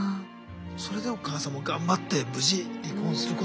それでお母さんも頑張って無事離婚することができて。